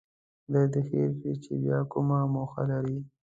خدای دې خیر کړي چې بیا کومه موخه لري.